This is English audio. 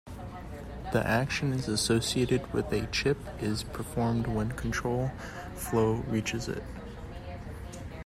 The action associated with a chip is performed when control flow reaches it.